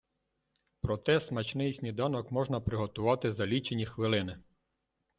Проте смачний сніданок можна приготувати за лічені хвилини.